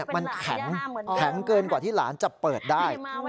มันแข็งเกินกว่าที่หลานจะเปิดได้